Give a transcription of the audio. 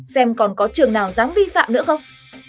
xem còn có trường nào dám vi phạm nữa không